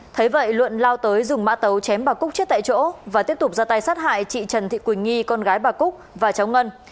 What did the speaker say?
thấy vậy luận lao tới dùng mã tấu chém bà cúc chết tại chỗ và tiếp tục ra tay sát hại chị trần thị quỳnh nghi con gái bà cúc và cháu ngân